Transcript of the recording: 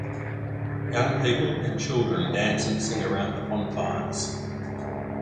Young people and children dance and sing around the bonfires.